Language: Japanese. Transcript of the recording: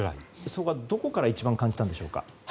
それは、どこから一番感じたんでしょうか。